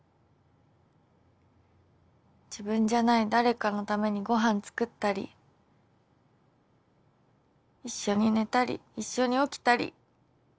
自分じゃない誰かのためにご飯作ったり一緒に寝たり一緒に起きたり。